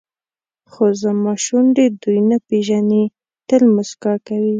خو زما شونډې دوی نه پېژني تل موسکا کوي.